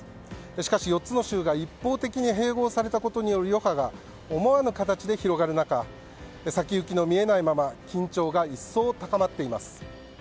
しかし４つの州が一方的に併合されたことによる余波が思わぬ形で広がる中先行きの見えないまま緊張が一層高まっています。